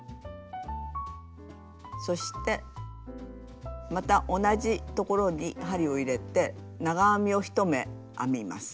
そしてまた同じところに針を入れて長編みを１目編みます。